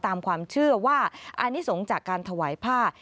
ตามความเชื่อว่าอานิสงฆ์จากการถวายผ้า